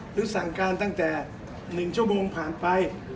หรือสั่งการตั้งแต่๑ชั่วโมงผ่านไป